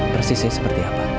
persisnya seperti apa